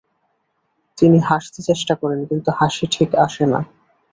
তিনি হাসতে চেষ্টা করেন, কিন্তু হাসি ঠিক আসে না।